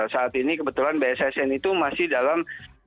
saat ini kebetulan bssn itu masih dalam